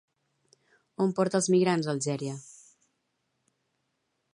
On porta els migrants, Algèria?